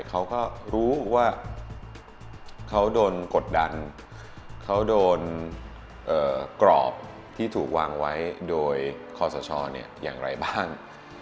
เขาก็รู้ว่าเขาโดนกดดันเขาโดนกรอบที่ถูกวางไว้โดยคอสชอย่างไรบ้าง